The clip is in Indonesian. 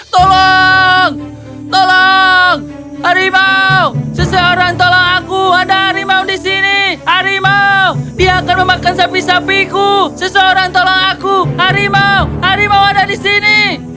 tolong tolong harimau seseorang tolong aku ada harimau di sini harimau dia akan memakan sapi sapiku seseorang tolak aku harimau harimau ada di sini